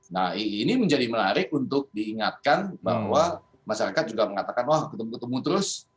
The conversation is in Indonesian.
nah ini menjadi menarik untuk diingatkan bahwa masyarakat juga mengatakan wah ketemu ketemu terus